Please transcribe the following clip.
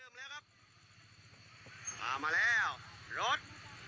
เริ่มแล้วครับมาแล้วรถ